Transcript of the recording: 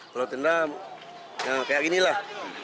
kalau tenda kayak ginilah